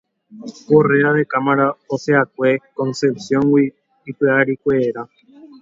Correa da Cámara osẽʼakue Concepcióngui ipiarikuéra.